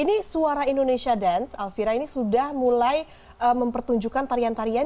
ini suara indonesia dance alfira ini sudah mulai mempertunjukkan tarian tarian